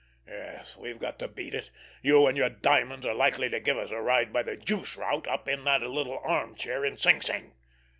Yes, we've got to beat it! You and your diamonds are likely to give us a ride by the juice route up in that little armchair in Sing Sing.